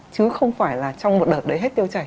chứ không phải là trong một đợt đấy hết tiêu chảy